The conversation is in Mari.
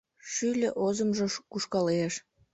Шӱльӧ озымжо кушкалеш